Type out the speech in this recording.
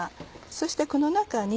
そしてこの中に。